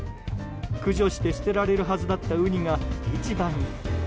駆除して捨てられるはずだったウニが市場に。